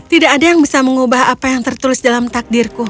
tidak ada yang bisa mengubah apa yang tertulis dalam takdirku